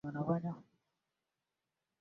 Naishi kwa dhiki kwa kuwa sina mali.